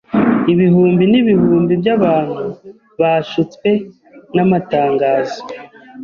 Ibihumbi n'ibihumbi by'abantu bashutswe n'amatangazo.